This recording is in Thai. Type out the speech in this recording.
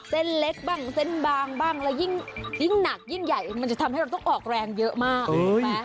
เส้นเล็กบ้างเส้นบางบ้างแล้วยิ่งหนักยิ่งใหญ่มันจะทำให้เราต้องออกแรงเยอะมากถูกไหม